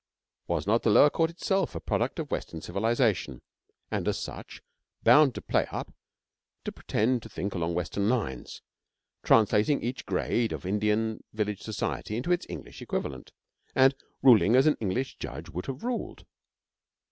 Was not the lower court itself a product of Western civilisation, and, as such, bound to play up to pretend to think along Western lines translating each grade of Indian village society into its English equivalent, and ruling as an English judge would have ruled?